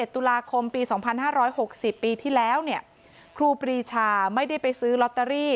ตุลาคมปี๒๕๖๐ปีที่แล้วครูปรีชาไม่ได้ไปซื้อลอตเตอรี่